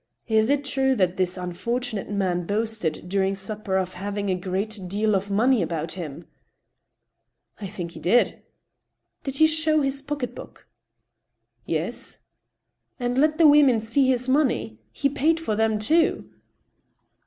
Is it true that this unfortunate man boasted during supper of having a great deal of money about him?" " I think he did." Did he show his pocket book ?" "Yes." " And let the women see this money ? He paid for them too